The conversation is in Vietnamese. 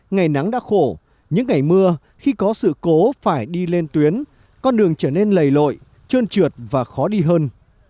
ngày nắng đã khổ những ngày mưa khi có sự cố phải đi lên tuyến con đường trở nên lầy lội trơn trượt và khó đi hơn